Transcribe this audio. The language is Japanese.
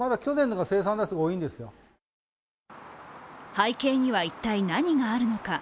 背景には一体、何があるのか。